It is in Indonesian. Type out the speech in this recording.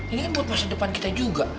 ini buat masa depan kita juga